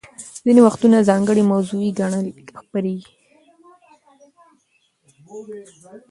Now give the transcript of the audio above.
ځینې وختونه ځانګړې موضوعي ګڼې خپریږي.